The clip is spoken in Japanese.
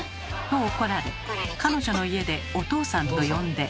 と怒られ彼女の家で「お父さん」と呼んで。